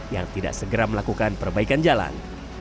yang tidak segera melakukan perbaikan jalan